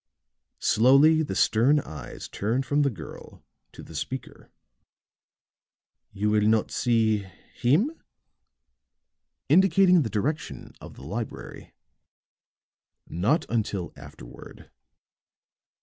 Slowly the stern eyes turned from the girl to the speaker. "You will not see him?" indicating the direction of the library. "Not until afterward."